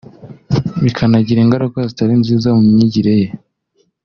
bikanagira ingaruka zitari nziza mu myigire ye